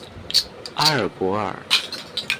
埃尔博尔。